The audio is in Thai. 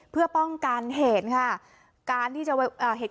เพื่อป้องกันเหตุ